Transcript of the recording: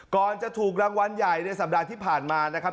ก่อนจะถูกรางวัลใหญ่ในสัปดาห์ที่ผ่านมานะครับ